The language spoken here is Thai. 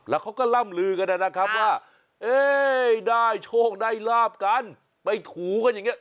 แล้วเขาก็ล่ำลือกันนะครับว่าเอ๊ได้โชคได้ลาบกันไปถูกันอย่างนี้